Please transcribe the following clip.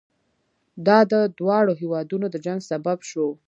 دا د دواړو هېوادونو د جنګ سبب شو.